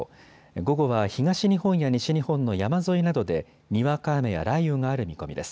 午後は東日本や西日本の山沿いなどでにわか雨や雷雨がある見込みです。